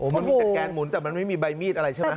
มันมีแต่แกนหมุนแต่มันไม่มีใบมีดอะไรใช่ไหม